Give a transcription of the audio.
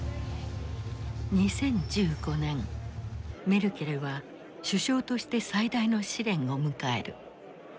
メルケルは首相として最大の試練を迎える。